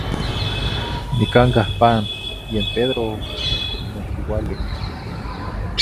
Nicancah pan, yen Pedro n oquiualic.